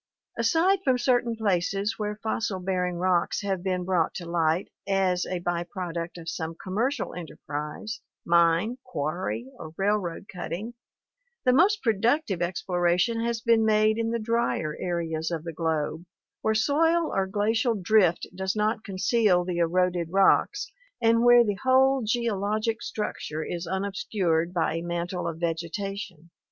Aside from cer tain places where fossil bearing rocks have been brought to light as a by product of some commercial enterprise — mine, quarry, or railroad cutting — the most productive exploration has been made in the drier areas of the globe where soil or glacial drift does not 418 ORGANIC EVOLUTION conceal the eroded rocks and where the whole geologic structure is unobscured by a mantle of vegetation.